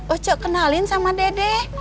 oh cak kenalin sama dedeh